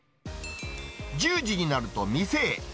１０時になると店へ。